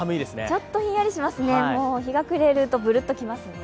ちょっとひんやりしますね、日が暮れるとブルッとしますね。